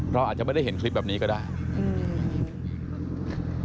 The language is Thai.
เราอาจจะไม่ได้เห็นคลิปแบบนี้ก็ได้อืม